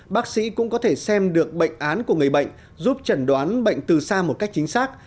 bác sĩ cũng có thể xem được bệnh án của người bệnh giúp trần đoán bệnh từ xa một cách chính xác